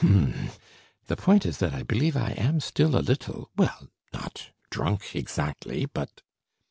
H'm ... the point is that I believe I am still a little, well, not drunk exactly, but